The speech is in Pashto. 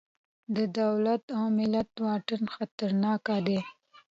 د دولت او ملت واټن خطرناک دی.